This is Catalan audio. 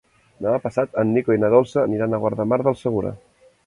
Demà passat en Nico i na Dolça aniran a Guardamar del Segura.